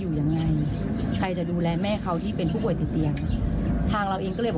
หรือการดูแลผู้ป่วยติดเตียงทั้งหมด